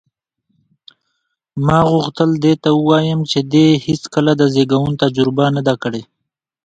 ما غوښتل دې ته ووایم چې دې هېڅکله د زېږون تجربه نه ده کړې.